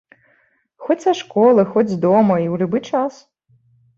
Хоць са школы, хоць з дома, і ў любы час.